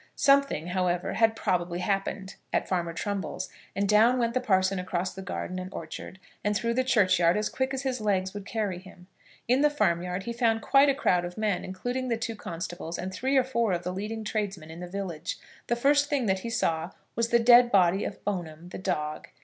Something, however, had probably happened at Farmer Trumbull's; and down went the parson across the garden and orchard, and through the churchyard, as quick as his legs would carry him. In the farmyard he found quite a crowd of men, including the two constables and three or four of the leading tradesmen in the village. The first thing that he saw was the dead body of Bone'm, the dog.